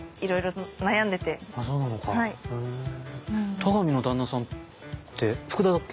田上の旦那さんって福田だっけ？